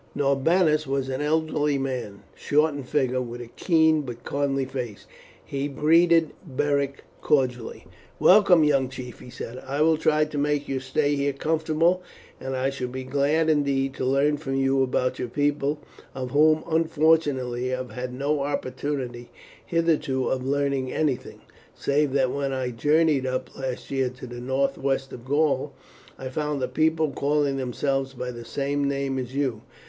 Norbanus was an elderly man, short in figure, with a keen but kindly face. He greeted Beric cordially. "Welcome, young chief," he said. "I will try to make your stay here comfortable, and I shall be glad indeed to learn from you about your people, of whom, unfortunately, I have had no opportunity hitherto of learning anything, save that when I journeyed up last year to the northwest of Gaul, I found a people calling themselves by the same name as you.